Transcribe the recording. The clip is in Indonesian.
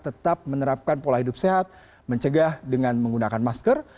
tetap menerapkan pola hidup sehat mencegah dengan menggunakan masker